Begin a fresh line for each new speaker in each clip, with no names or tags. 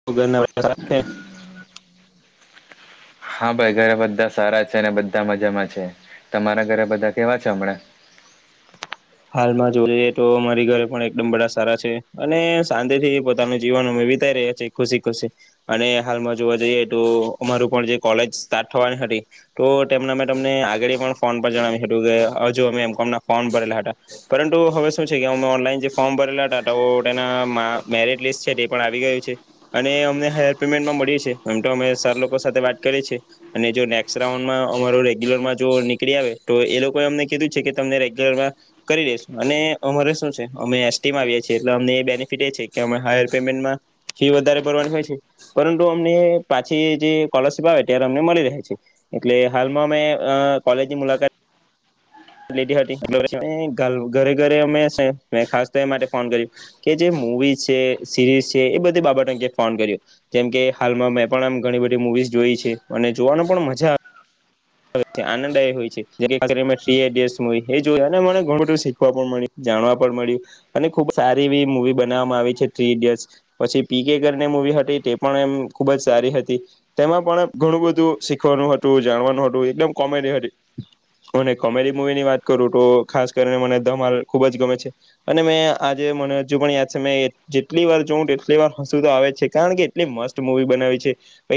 [inaudible]
[inaudible] હા ભાઈ ઘરે બધા સારા છે અને બધા મજામાં છે તમારા ઘરે બધા કેવા છે હમણાં.
હાલમાં જોઈએ તો મારી ઘરે પણ એકદમ બધા સારા છે અને શાંતિથી પોતાનું જીવન અમે વિતાય રહ્યાં છે ખુશી ખુશી અને હાલમાં જોવા જઈએ તો અમારું પણ જે કોલેજ સ્ટાર્ટ થવાની હતી. તો તેમના મેં તમને આગળી પણ ફોન પર જણાવ્યું હતું કે હજુ અમે એમ ફોન ભરેલા હતા. પરંતુ હવે શું છે કે અમે ઓનલાઈન જે ફોર્મ ભરેલા હતા તો તેના મેરિટ લિસ્ટ છે તે પણ આવી ગયું છે અને અમને હાયર પેમેન્ટમાં મળ્યું છે એમ તો અમે સર લોકો સાથે વાત કરીએ છે. અને જો નેક્સ્ટ રાઉન્ડમાં અમારુ રેગ્યુલરમાં જો નીકળી આવે તો એ લોકોએ અમને કીધું છે કે તમને રેગ્યુલરમાં કરી દેશું અને અમારે શું છે અમે એસટી માં આવીએ છીએ એટલે અમને એ બેનિફિટ એ છે કે અમે હાયર પેમેન્ટમાં ફી વધારે ભરવાની હોય છે. પરંતુ અમને પાછી જે સ્કોલરશીપ આવે ત્યારે અમને મળી રહે છે. એટલે હાલમાં અમે અ કોલેજની મુલાકાત લીધી હતી ઘરે ઘરે અમે મે ખાસ તો માટે ફોન કર્યું. કે જે મુવી છે સિરીઝ છે એ બધી બાબતે અંગે ફોન કર્યો. જેમ કે હાલમાં મેં પણ આમ ઘણી બધી મુવીઝ જોઈ છે અને જોવાની પણ મજા આવે આનંદાય હોય છે, જેમ કે ખાસ કરીને મેં [unintelligible] એ જોયા અને મને ઘણું બધું શીખવા પણ મળ્યું. જાણવા પણ મળ્યું અને ખુબ સારી એવી મુવી બનાવવામાં આવી છે થ્રી ઇડિયટ્સ. પછી પી કે કરીને મૂવી હતી તે પણ એમ ખુબ જ સારી હતી. તેમાં પણ ઘણું બધું શીખવાનું હતું જાણવાનું હતું એકદમ કોમેડી હતી. અને કોમેડી મુવી ની વાત કરું તો ખાસ કરીને મને ધમાલ ખુબ જ ગમે છે. અને મેં આજે મને હજુ પણ યાદ છે મે જેટલી વાર જોઉં એટલી વાર હશુ તો આવે છે કારણ કે એટલી મસ્ત મુવી બનાવી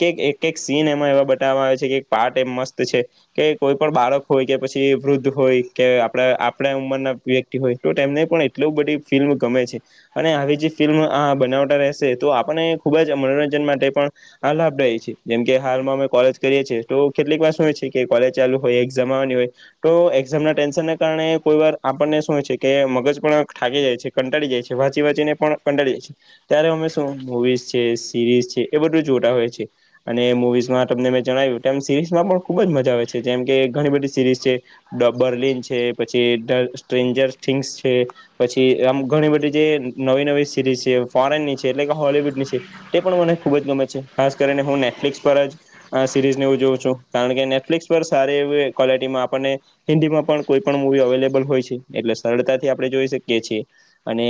છે એક એક સીન એમાં એવા બતાવવામાં આવે છે કે પાર્ટ એ મસ્ત છે કે કોઈ પણ બાળક હોય કે પછી વૃદ્ધ હોય કે આપ આપણા ઉંમરના વ્ય ક્તિ હોય તો તેમને પણ એટલી બધી ફિલ્મ ગમે છે. અને આવી જે ફિલ્મ આ બનાવતા રહેશે તો આપણને ખુબ જ મનોરંજન માટે પણ આ લાભદાયી છે જેમ કે હાલમાં અમે કોલેજ કરીએ છીએ તો કેટલીક વાર શું હોય છે કે કોલેજ ચાલુ હોય એક્ઝામ આવવાની હોય તો એક્ઝામ ના ટેન્શનને કારણે કોઈ વાર આપણને શું હોય છે કે મગજ પણ થાકી જાય છે. કંટાળી જાય છે વાંચી વાંચીને પણ કંટાળી જાય છે. ત્યારે, અમે શું, મુવીઝ છે, સિરીઝ છે,. બધું જોતા હોય છે અને મુવીઝમાં તમને મેં જણાવ્યું એમ સિરીઝમાં પણ ખુબ જ મજા આવે છે. જેમ કે ઘણી બધી સીરીઝ છે, - ધ બરલિન છે, પછી સ્ટ્રેન્જર થિંગ્સ છે. પછી, આમ ઘણી બધી જે નવી નવી સિરીઝ છે ફોરેન ની છે એટલે કે હોલીવુડ ની છે. તે પણ, મને ખુબ જ ગમે છે. ખાસ કરીને હું નેટફ્લિક્સ પર જ આ સિરીઝ ને હું જોવ છું. કારણ કે, નેટફ્લિક્સ પર સારી એવી ક્વોલિટીમાં આપણને- -હિન્દી માં પણ કોઈ પણ મુવી અવેલેબલ હોય છે. એટલે સરળતાથી આપણે જોઈ શકીએ છીએ. અને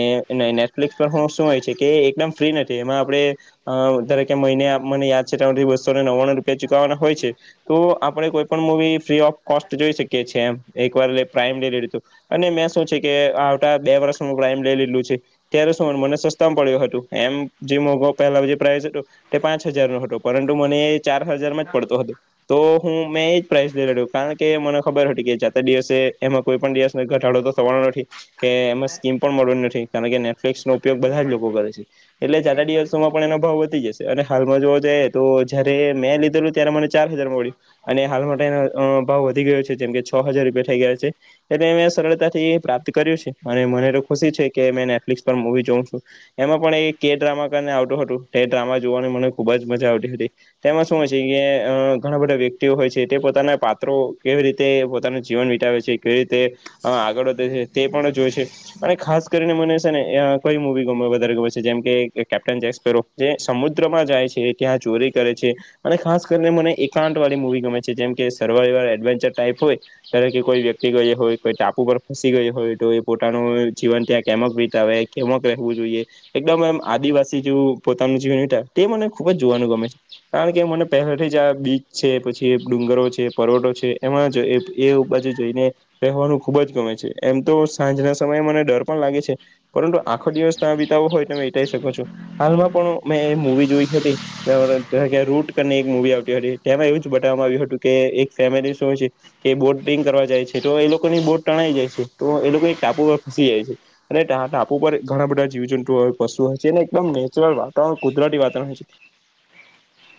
નેટફ્લિક્સ પર તો શું હોય છે કે, એકદમ ફ્રી નથી એમાં આપણે- -અ ધારોકે મહિને મને યાદ છે, તો બસો ને નવ્વાણું રૂપિયા ચૂકવવાના હોય છે. તો આપણે કોઈ પણ મુવી ફ્રી ઓફ કોસ્ટ જોઈ શકીએ છીએ. એમ, એક વાર લે પ્રાાઈમ લઈ લઈએ તો- અને મેં શું કે, આવતા બે વર્ષનું પ્રાઈમ લઇ લીધું છે. ત્યારે શું મને સસ્તામાં પડ્યુ હતું. એમ જેમ પેલા જે પ્રાઈસ હતો- તે પાંચ હજાર નો હતો, પરંતુ મને એ ચાર હજારમાં જ પડતો હતો. તો, હું, મેં એજ પ્રાઇઝ લઈ લીધું, કારણ કે મને ખબર હતી કે, જાતે દિવસે એમાં કોઈ પણ દિવસ- -કોઈ ઘટાડો તો થવાનો નથી. કે એમાં સ્કીમ મળવાની નથી. કારણ નેટફ્લિક્સનો ઉપયોગ બધાં જ લોકો કરે છે. એટલે જાતા દિવસોમાં પણ એનો ભાવ વધી જશે. અને હાલમાં જોવા જઈએ, તો જ્યારે મેં લીધેલું ત્યારે મને ચાર- -હજારમાં મળી. અને હાલ તેનો અ ભાવ વધી ગયો છે. જેમ કે છ હજાર રૂપિયા થઈ ગયા છે. એટલે મેં સરળતાથી પ્રાપ્ત કર્યું છે. અને મને તો ખુશી છે, કે મે નેટફ્લિક્સ પર મોવી જોઉં છું. એમાં પણ એ કે ડ્રામા કરીને આવતું હતું. તે ડ્રામા જોવાની મને ખુબજ મજા આવતી હતી. તેમાં શું હોય છે. કે અ- -ઘણાં બધા વ્યક્તિઓ હોય છે. તે પોતાના પાત્રો કેવી રીતે પોતાનું જીવન વિતાવેે છે. કેવી રીતે- -અ આગળ વધે છે. તે પણ જોય છે. -અને ખાસ કરીને મને છે ને, કઈ મુવી ગમે વધારે ગમે છે. જેમ કે કેપ્ટન જેક્સપેરો. જે સમુદ્રમાં જાય છે, ત્યાં ચોરી કરે છે, અને ખાસ કરીને મને- શાંત વાળી મુવી ગમે છે. જેમ કે સવૉઈવલ, એડવેન્ચર ટાઈપ હોય, ધારોકે કોઈ વ્યક્તિ ગયો હોય, કોઈ ટાપુ પર ફસી ગયો હોય, તો એ પોતાનું જીવન ત્યાં કેમક વિતાવે? કેમક રહેવું જોઈએ? એકદમ એમ આદિવાસી જેવું પોતાનું જીવન વિતાવે, તે મને ખુબ જ જોવાનું ગમે છે. કારણ કે, મને પહેલાથી જ આ બીચ છે, પછી ડુંગરો છે- -પર્વતો છે. એમાં એ બાજુ જોઈને- -રહેવાનું ખુબ જ ગમે છે. એમ તો સાંજના સમયે મને ડર પણ લાગે છે. પરંતુ આખો દિવસ ત્યાં વિતાવો હોય, તો તમે વિતાવી શકો છો. હાલમાં પણ મેં એક મુવી જોઈ હતી, રૂટ કરીને એક મુવી આવતી હતી. તેમાં એવું જ બતાવવામાં આવ્યું હતું. કે એક ફેમિલી શું [unintelligible] -કે બોટિંગ કરવા જાય છે, તો એ લોકોની બોટ તણાઈ જાય છે. તો એ લોકો એક ટાપુ પર ફસી જાય છે. અને, તા ટાપુ પર ઘણાં બધા જીવ જંતુ હોય. પશુ હોય છે. જે એકદમ નેચરલ વાતાવરણ કુદરતી વાતાવરણ હોય છે.
[inaudible]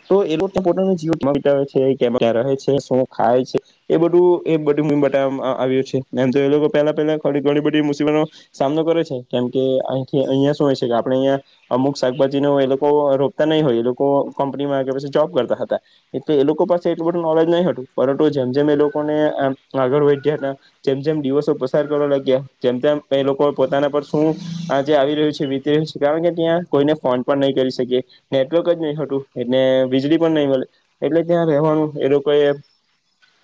તો એ લોકો પોતાનું જીવન [inaudible] કેમક વિતાવે છેે, ક્યાં રહે છે શું ખાય છે? એ બધું એ બધું મુવી માં બતાવામાં આવ્યું છે. એમ તો એ લોકો પહેલા પહેલા ઘણી ઘણી બધી મુસીબતો- સામનો કયૉ‌ છે. કેમ કે અયથી, અહિયાં શું હોય છે કે આપણે અહિયાં- અમુક શાકભાજી ન હોય, એ લોકો રોપતા નઈ હોય. એ લોકો કંપનીમાં કે પછી જોબ કરતા હતા. -એટલે એ લોકો પાસે એટલું બધું નોલેજ નઈ હતું. પરંતુ, જેમ જેમ એ લોકોને એમ આગળ વધ્યા હતા. જેમ જેમ દિવસો પસાર કરવા લાગ્યા. તેમ તેમ એ લોકો પોતાના પર શું આજે આવી રહ્યું છે. કારણ કે ત્યાં કોઈને ફોન પણ નઈ કરી શકીએ. નેટવર્ક જ નઈ હતું. એટલે વીજળી પણ નઈ મલે. એટલે ત્યાં રહેવાનું એ લોકોએ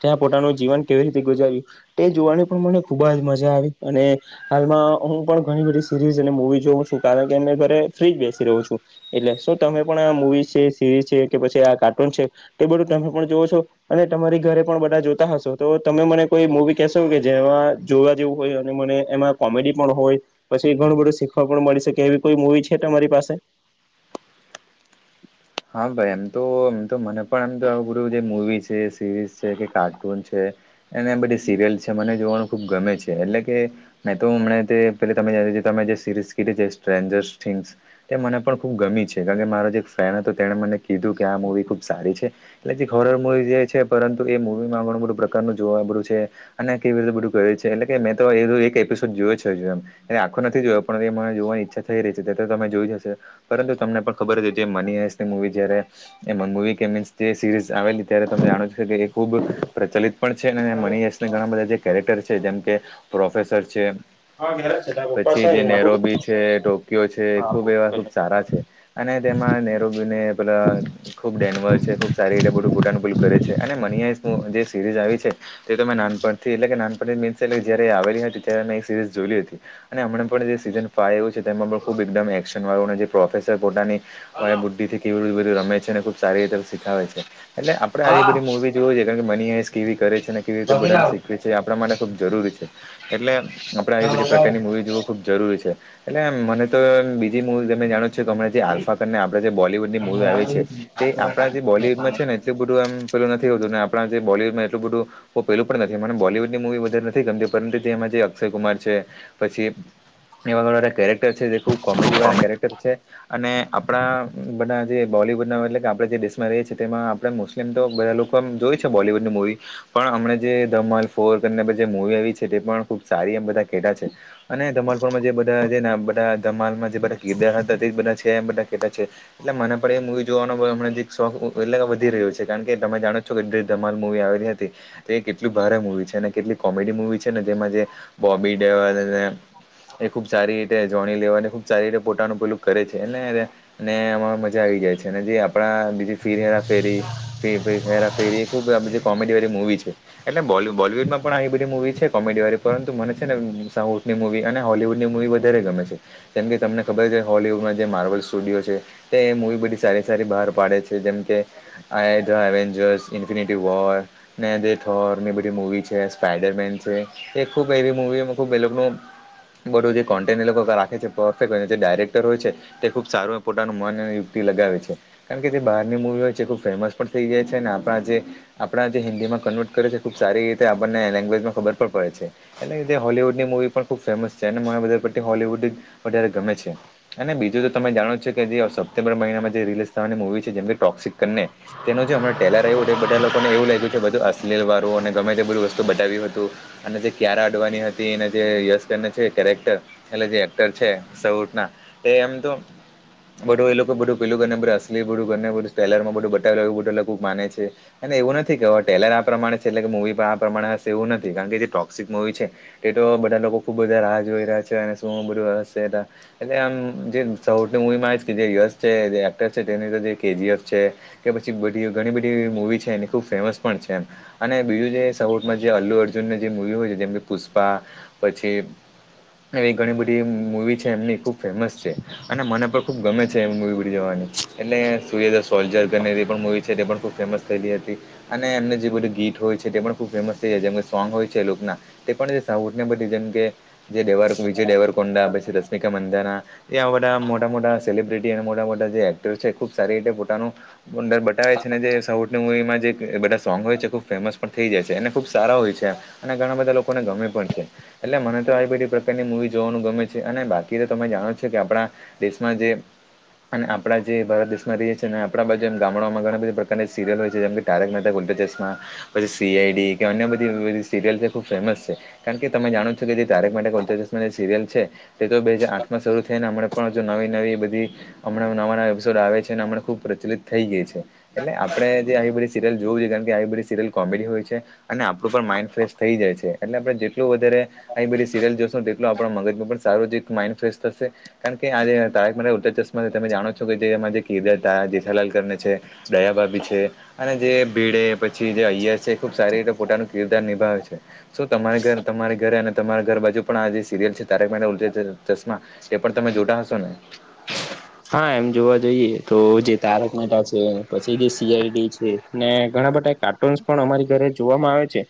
ત્યાં પોટાનું જીવન કેવી રીતે ગુજાર્યું? તે જોવાની પણ મને ખુબ જ મજા આવી. અને હાલમાં હું પણ ઘણી બધી સીરીઝ અને મુવી જોઉં છું. કારણ કે મેં ઘરે ફ્રીજ બેસી રહું છું. એટલે શું તમે પણ આ મુવી છે સિરીઝ છે કે પછી આ કાર્ટૂન છે એ બધું તમે પણ જોવો છો? અને તમારી ઘરે પણ બધા જોતા હશો. તો તમે મને કોઈ મોવી કહેશો કે જેમાં જોવા જેવું હોય. અને મને એમાં કોમેડી પણ હોય. પછી ઘણું બધું શીખવા પણ મળી શકે. એવી કોઈ મુવી છે તમારી પાસે?
હા ભાઈ એમ તો એમ તો મને પણ એમ તો આવું બધું જે મૂવી છે, સિરીઝ છે કે કાર્ટૂન છે. અને આ બધી સિરિયલ છે. એ મને જોવાનું ખુબ ગમે છે. એટલે કે મેં તો અમણાં તે પેલી [unintelligible] તમે જે સીરીઝ કીધી તે સ્ટ્રેન્જર્સ થિંગ્સ. તે મને પણ ખૂબ ગમી છે. કાણ કે, મારો જે એક ફ્રેન્ડ હતો. તેણે મને કીધું કે આ મુવી ખુબ સારી છે. એક હોરર મૂવી જે છે. પરંતુ એ મૂવીમાં ઘણું બધું પ્રકારનું જોવા મળ્યું છે. અને કેવી રીતે બધું કરે છે? એટલે કે મેં તો એનો એક એપિસોડ જોયો છે એમ. મેં આખ્ખો નથી જોયો. પણ એ મને જોવાની ઈચ્છા થઈ રહી છે‌. તે તો તમે જોઇજ હશે. પરંતુ તમને પણ ખબર હતી. [unintelligible] મૂવી જ્યારે એમાં મુવી કે [unintelligible] જે સીરીઝ આવેલી ત્યારે તમે જાણો છો કે એ ખુબ પ્રચલિત પણ છે. [unintelligible] ઘણાં બધા જે કેરેક્ટર છે. જેમ કે પ્રોફેસર છે.
હા ઘેર જ છે તારા પપ્પા છે
પછી જે
અહીંયા
નેરોબી છે, ટોકયો છે ખુબ એવા ખુબ સારા છે. અને તેમાં નેરુબીને એ બધાં ખુબ ડેનવર છે. ખુબ સારી રીતે બધું પોટાનું પેલું કરે છે અને [unintelligible] જે સિરીઝ આવી છે તે તો મે નાનપણથી એટલે કે, નાનપણથી મીન્સ એટલે જ્યારે આવેલી હતી ત્યારે મેં એ સિરીઝ જોયલી હતી. અને હમણા પણ જે સિઝન ફાઈ આયુ છે. તેમાં પણ ખુબ એકદમ એક્શનવાળું નથી પ્રોફેસર પોતાની
આબુ
બુદ્ધિથી કેવી બધી રમે છે? અને ખુબ સારી રીતે શીખાવે છે. એટલે આપણે આવી
હા
બધી મુવી જોએ કારણ કે મની આઇસ કેવી કરે છે? ને કેવી રીતે
વકીલ
બધાને
આવ
શીખવે છે? એ આપણા માટે ખુબ જરૂરી છે. એટલે આપડે આવી
તમે
બધી
મંગાવો
પ્રકારની મૂવી જો ખૂબ જરૂરી છે. એટલે મને તો બીજી મૂવી તમે જાણો છો કે, હમણાં જે
ને
આલ્ફા કરીને આપણે જે બોલીવૂડ એક
આમ
મુવી આવી છે.
લાવી
તે
થોડા
આપણા જે બોલીવુડમાં
ટાંકી
છે ને એટલું બધું એમ પેલું નથી હોતું ને આપણા જે બોલીવુડમાં એટલું બધું બો પેલું પણ નથી. મને બોલીવુડની મૂવી વધારે નથી ગમતી. પરંતુ જેમાં જે અક્ષયકુમાર છે પછી એમા એનાં કેરેક્ટર છે. એ ખુબ કોમેડીવાળા કેરેક્ટર છે અને આપણા બધા જે બોલિવૂડના એટલે કે આપણે જે દેશમાં રહીએ છીએ તેમાં આપણે મુસ્લિમ તો બધા લોકો પણ જોવી છે બોલીવુડની મૂવી પણ હમણે જે ધમાલ ફોર કરીને જે મુવી આવી છે. તે પણ ખુબ સારી એમ બધા કેટા છે. અને ધમાલફોરમાં જે બધાં જે ને બધાં ધમાલમાં જે બધા કીરદાર હતા તેજ બધાં છે એમ બધાં કેટલા છે? એટલે મને પણ એ મુવી જોવાનો હમણાંથી શોખ એટલે વધી રહ્યો છે. કારણ કે, તમે જાણો છો કે ધમાલ મુવી આવેલી હતી. તે કેટલું ભારે મુવી છે અને કેટલી કોમેડી મુવી છે ને જેમાં જે બોબી ડેવલને એ ખૂબ સારી રીતે જોણી લેવાને ખૂબ સારી રીતે પોતાનુ પેલું કરે છે‌. અને ને અમામાં મજા આવી જાય છે. જે આપણા બીજી ફિર હેરા ફેરી હેરા ફેરી ટુ ખુબ આ બધી કોમેડીવાળી મુૂવી છે. એટલે બોલી બોલીવુડમાં પણ આવી બધી મુવી છે. કોમેડીવાળી પરંતુ મને છે ને સાઉથની મુવી અને હોલવુડની મુવી બધી વધારે વધારે ગમે છે કેમ કે, તમને ખબર છે હોલીવુડમાં જે માર્બલ્ સ્ટુડિયો છે. તે મૂવી બધી સારી સારી બહાર પાડે છે જેમ કે આઇ ધ એવેન્જર્સ, ઇફિનિટી વોર ને જે થોર ને ઈ બધી મુવી છે એ સ્પાઈડરમેન છે. એ ખુબ એવી મૂવીમાં ખુબ એ લોકનું એ બધું જે કોન્ટેન્ટ એ લોકો રાખે છે, પરફેક્ટ હોય છે. ને જે ડાયરેક્ટર હોય છે, તે ખૂબ સારું એવું પોતાનો મન અને યુક્તિ લગાવે છે. કારણ કે જે બહારની મૂવી હોય છે, એ ખૂબ ફેમસ પણ થઈ જાય છે. અને આપણા જે આપણા જે એ હિન્દી માં કન્વર્ટ કરે છે, ખુબ સારી રીતે આપણને એ લેંગ્વેજ માં ખબર પણ પડે છે. એટલે કે તે હોલવૂડની મૂવી પણ ખૂબ ફેમસ છે. અને મને વધારે પડતી હોલીવૂડ જ વધારે ગમે છે. અને બીજું તો તમે જાણો છો, કે જે હવે સપ્ટેમ્બર મહિનામાં જે રિલીઝ થવાની મુવી છે, જેમ કે ટોક્સિક ને તેનો જે હમણાં ટેઈલર આવ્યો, તે બધા લોકોને એવું લાગ્યું છે, કે બધું અશ્લીલ વાળું, અને ગમે તે બધું વસ્તુ બતાવ્યું હતું. અને જે કિયારા અડવાની હતી અને જે યશકરને છે એ કેરેક્ટર એટલે જે એક્ટર છે સાઉથના, એ એમ તો બધું એ લોકો બધું પહેલું [unintelligible] અશ્લીલ [unintelligible] ટેઈલરમાં બધું બતાવેલું એવું તે લોકો માને છે. અને એવું નથી કે હવે ટેઈલર આ પ્રમાણે છે, એટલે કે મૂવી પણ આ પ્રમાણે હશે, એવું નથી. કારણ કે જે ટોક્સિક મુવી છે તે તો બધા લોકો ખુબ જ બધા રાહ જોઈ રહ્યા છે. અને શું એમાં બધું હશે તા. એટલે આમ જે સાઉથની મૂવીમાં એ જ [unintelligible] યશ છે, જે એક્ટર છે તેની અંદર જે કે જી એફ છે. કે પછી બધી ઘણી બધી એવી મૂવી છે એની ખૂબ ફેમસ પણ છે એમ. અને બીજું જે સાઉથમાં જે અલ્લુ અર્જુનની જે મુવી હોય છે, જેમ કે પુષ્પા, પછી એવી ઘણી બધી મૂવી છે એમની ખૂબ ફેમસ છે. અને મને પણ ખુબ ગમે છે એ મૂવી બધી જોવાની. એટલે [unintelligible] સોલ્જર [unintelligible] એવી પણ મુવી છે તે પણ ખૂબ ફેમસ થયેલી હતી. અને એમને જે બધું ગીત હોય છે તે પણ ખૂબ ફેમસ થઈ જાય છે. જેમ કે, સોંગ હોય છે એ લોકના તે પણ જે સાઉથ ને બધી જેમ કે, જેે [unintelligible] દેવરકુંડના, પછી રશ્મિકા મંધાના તેવાં બધા આમ મોટા-મોટા સેલિબ્રિટી, અને મોટા-મોટા જે એક્ટર છે, એ ખુબ સારી રીતે પોતાનું અંદર બતાાવે છે, ને જે સાઉથની મૂવીમાં જે એ બધા સોંગ હોય છે એ ખૂબ ફેમસ પણ થઈ જાય છે. અને ખૂબ સારા હોય છે. અને ઘણા બધા લોકોને ગમે પણ છે. એટલે મને તો આવી બધી પ્રકારની મુવી જોવાનું ગમે છે. અને બાકી તો તમે જાણો છ છો, કે આપણા દેશમાં જે અને આપણા જે ભારત દેશમાં રહીએ છીએ, અને આપણા બાજુ ગામડાઓમાં ઘણા બધી પ્રકારની સિરિયલ હોય છે, જેમ કે તારક મહેતા કા ઉલટા ચશ્મા, પછી સી આઈ ડી કે અન્ય બધી [unintelligible] સીરિયલ છે ખૂબ ફેમસ છે. કારણ કે તમે જાણો જ છો, કે જે તારક મહેતા કા ઉલ્ટા ચશ્માં જે સિરિયલ છે, તે તો બે હજાર આઠમાં શરુ થ ઈ અને હમણે પણ હજુ નવી-નવી બધી હમણાં નવા-નવા એપિસોડ આવે છે, ને હમણા ખૂબ પ્રચલિત થઈ ગઈ છે. એટલે આપણે જે આવી બધી સીરિયલ જોવી જોઈએ, કારણ કે આવી બધી સિરિયલ કોમેડી હોય છે. અને આપણું પણ માઇન્ડ ફ્રેશ થઈ જાય છે. એટલે આપણે જેટલું વધારે આવી બધી સીરયલ જોશુંન તેટલું આપણા મગજમાં પણ સારો જ એક માઇન્ડ ફ્રેશ થશે. કારણ કે આ જે તારક મહેતા કા ઉલ્ટા ચશ્માનું તમે જાણો જ છો, કે જે એમાં જે કીરદારતા જેઠાલાલ કરીને છે દયાભાભી છે, અને જે ભીડે, પછી જે અય્યર છે ખુબ સારી રીતે પોતાનો કિરદાર નિભાવે છે. શું તમારે ઘર તમારી ઘરે અને તમારા ઘર બાજુ પણ આ જે સીરિયલ છે, તારક મહેતા ઉલ્ટા ચ ચશ્મા તે પણ તમે જોતા હશો ને?
હા. એમ જોવા જઈએ, તો જે તારક મેહતા છે, પછી જે સી આઈ ડી છે ને ઘણા બધા એ કાર્ટૂન્સ પણ અમારી ઘરે જોવામાં આવે છે.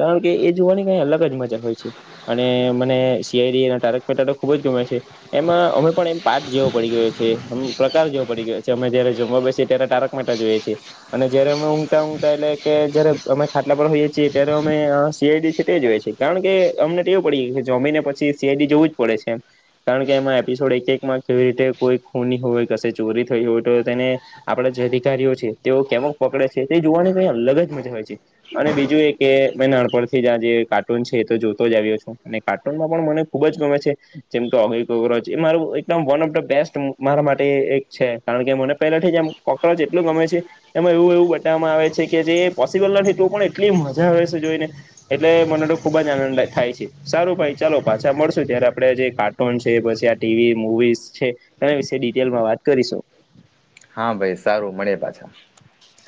કારણ કે એ જોવાની કંઈ અલગ જ મજા હોય છે. અને મને સી આઈ ડી અને તારક મહેતા તો ખુબ જ ગમે છે. એમાં અમે પણ એમ [unintelligible] જેવો પડી ગયો છ છે. આમ પ્રકાર જેવો પડી ગયો છે. અમે જયારે જમવા બેસીએ, ત્યારે તારક મેહતા જોઈએ છે. અને જયારે અમે ઊંઘતા ઊંઘતા એટલે કે જયારે અમે ખાટલા પર હોઈએ છીએ ત્યારે અમે સિયાઆઈડી છે તે જોઈએ છીએ. કારણ કે અમને ટેવ પડી કે જમીને પછી સીઆઈડી જોવું જ પડે છે એમ. કારણ કે એમાં એપિસોડ એક એક માં કેવી રીતે કોઈ ખૂની હોય કસે ચોરી થઈ હોય તો તેને આપડે જે વિચારીયું છીએ તેઓ કેમ પકડે છે એ જોવાની કઈ અલગ જ મજા હોય છે. અને બીજું એ કે મેં નાનપણથી જ આ જે કાર્ટૂન છે એ તો જોતો જ આવ્યો છું અને કાર્ટૂનમાં પણ મને ખુબ જ ગમે છે જેમ કે અભય કોવરાજ એ મારું એકદમ વન ઓફ ધ બેસ્ટ મારા માટે એ એક છે કારણ કે મને પહેલા થી જ આમ કોક્રોચ એટલું ગમે છે એમાં એવું એવું બતાવવામાં આવે છે કે જે પોસિબલ નથી તો પણ એટલી આવે છે જોઈને એટલે મને ટો ખુબ જ આનંદ થાય છે સારું ભાઈ ચાલો પાછા મળશું ત્યારે આપડે જે કા ફોન છે પછી આ ટીવી મુવીસ છે એના વિશે ડિટેલમાં વાત કરીશું.
હા ભઈ સારું મળેએ પાછા.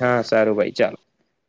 હા સારું ભાઈ ચાલ.